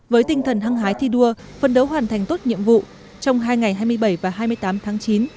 với tinh thần hăng hái thi đua phân đấu hoàn thành tốt nhiệm vụ trong hai ngày hai mươi bảy và hai mươi tám tháng chín